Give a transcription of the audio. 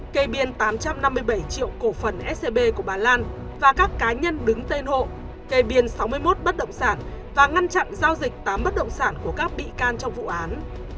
cây biên tám trăm năm mươi bảy triệu cổ phần scb của bà lan và các cá nhân đứng tên hộ cây biên sáu mươi một bất động sản và ngăn chặn giao dịch tám bất động sản của các bị can trong vụ án